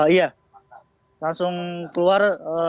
iya langsung keluar